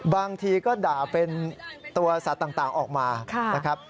บางทีก็ด่าเป็นตัวสัตว์ต่างออกมานะครับ